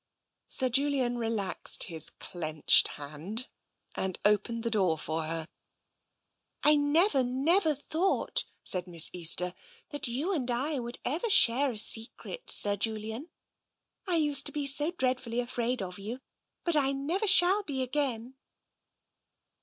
Sir Julian relaxed his clenched hand, and opened the door for her. " I never, never thought," said Miss Easter, " that you and I would ever share a secret, Sir Julian ! I used to be so dreadfully afraid of you — but I never shall be again